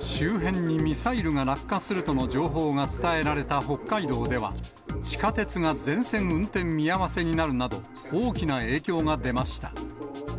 周辺にミサイルが落下するとの情報が伝えられた北海道では、地下鉄が全線運転見合わせになるなど、大きな影響が出ました。